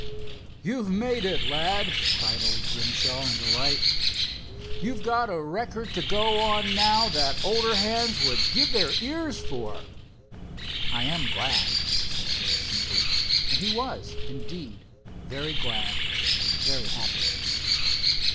"You've made it, lad!" cried old Grimshaw in delight. "You've got a record to go on now that older hands would give their ears for." "I am glad," said Dave simply, and he was, indeed, very glad and very happy.